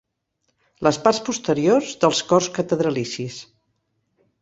Les parts posteriors dels cors catedralicis.